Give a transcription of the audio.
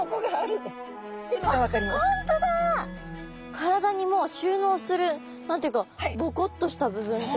体にもう収納する何て言うかぼこっとした部分というか。